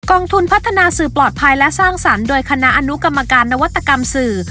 องทุนพัฒนาสื่อปลอดภัยและสร้างสรรค์โดยคณะอนุกรรมการนวัตกรรมสื่อ